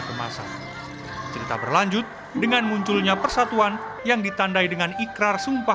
kemasan cerita berlanjut dengan munculnya persatuan yang ditandai dengan ikrar sumpah